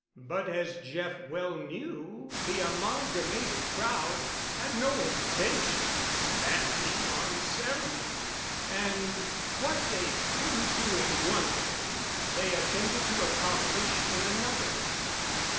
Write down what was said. But as Jeff well knew, the Amalgamated crowd had no intention of standing on ceremony, and what they couldn't do in one way they attempted to accomplish in, another.